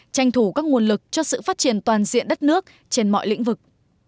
tranh thủ các nguồn lực cho sự phát triển toàn diện đất nước trên mọi lĩnh vực